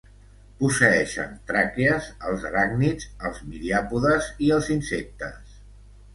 Posseeixen tràquees els aràcnids, els miriàpodes i els insectes.